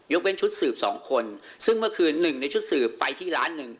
เว้นชุดสืบสองคนซึ่งเมื่อคืนหนึ่งในชุดสืบไปที่ร้านหนึ่ง